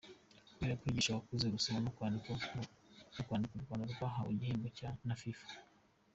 Kubera kwigisha abakuze gusoma no kwandik Urwanda rwahawe igihembo Na Fifa